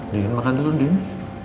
dini makan dulu dini